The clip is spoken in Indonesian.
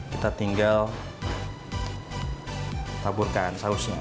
kita tinggal taburkan sausnya